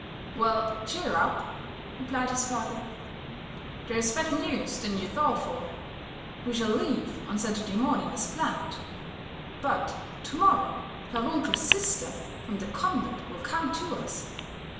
"Well, cheer up," replied his father, "there's better news than you thought for. We shall leave on Saturday morning as planned; but to morrow Herr Runkel's sister from the convent will come to us.